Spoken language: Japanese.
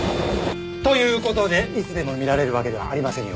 という事でいつでも見られるわけではありませんよ。